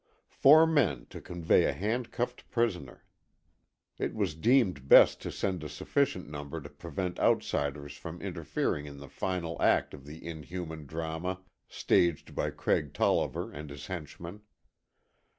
Four men to convey a handcuffed prisoner! It was deemed best to send a sufficient number to prevent outsiders from interfering in the final act of the inhuman drama staged by Craig Tolliver and his henchmen.